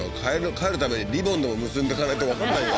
帰るためにリボンでも結んでいかないとわかんないよ